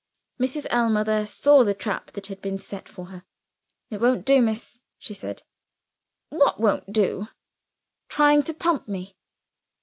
Mrs. Ellmother saw the trap that had been set for her. "It won't do, miss," she said. "What won't do?" "Trying to pump me."